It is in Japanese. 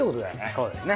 そうですね。